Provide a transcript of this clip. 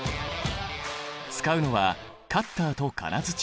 使うのはカッターと金づち。